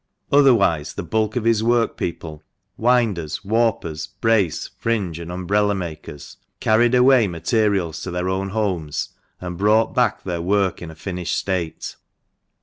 Otherwise, the bulk of his workpeople — winders, warpers, brace, fringe, and umbrella makers — carried away materials to their own homes, and brought back their work in a finished state.